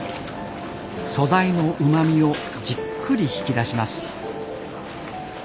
素材のうまみをじっくり引き出します。